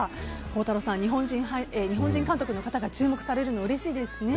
孝太郎さん、日本人監督の方が注目されるの、うれしいですね。